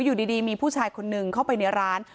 อยู่ดีมีผู้ชายคนนึงเข้าไปในร้าน